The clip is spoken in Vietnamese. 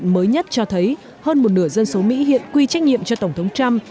mới nhất cho thấy hơn một nửa dân số mỹ hiện quy trách nhiệm cho tổng thống trump